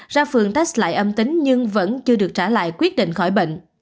ra phường test lại âm tính nhưng vẫn chưa được trả lại quyết định khỏi bệnh